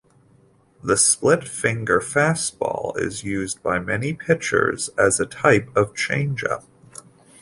The split-finger fastball is used by many pitchers as a type of changeup.